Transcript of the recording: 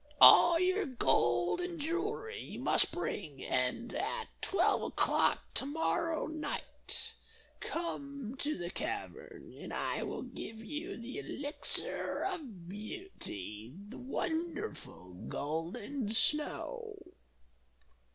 All your gold and jewelry you must bring, and, at twelve o'clock to morrow night, come to the cavern, and I will give you the Elixir of Beauty, the wonderful golden snow."